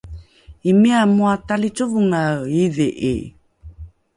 Imiya moa talicovongae iidhi'i!